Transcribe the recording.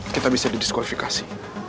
kita bisa didiskualifikasi